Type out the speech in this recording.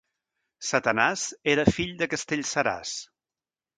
Satanàs era fill de Castellseràs.